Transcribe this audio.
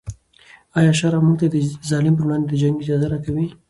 آیا شرع موږ ته د ظالم پر وړاندې د جنګ اجازه راکوي؟